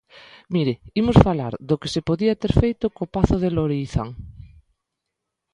Mire, imos falar do que se podía ter feito co pazo de Lourizán.